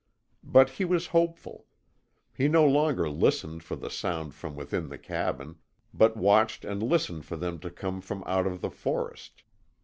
But he was hopeful. He no longer listened for sound from within the cabin, but watched and listened for them to come from out of the forest.